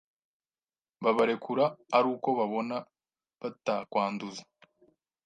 babarekura aruko babona batakwanduza